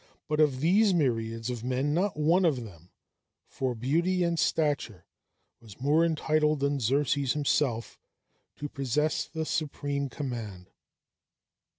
But of these myriads of men, not one of them, for beauty and stature, was more entitled than Xerxes himself to possess the supreme command.